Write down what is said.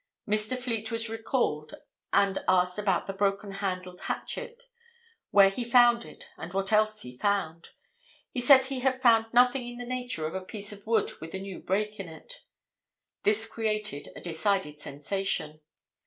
Mr. Fleet was recalled and asked about the broken handled hatchet, where he found it and what else he found. He said he found nothing in the nature of a piece of wood with a new break in it. This created a decided sensation.